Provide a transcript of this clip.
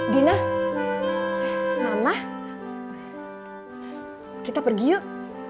dina mama kita pergi yuk